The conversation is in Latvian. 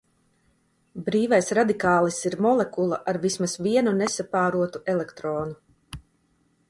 Brīvais radikālis ir molekula ar vismaz vienu nesapārotu elektronu.